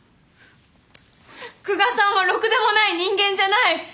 久我さんはろくでもない人間じゃない！